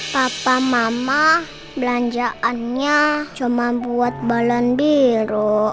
papa mama belanjaannya cuma buat balan biru